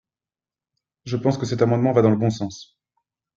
Je pense que cet amendement va dans le bon sens.